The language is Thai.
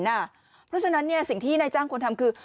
เพราะฉะนั้นสิ่งที่นายจ้างควรทำคือ